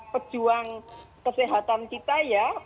pejuang kesehatan kita ya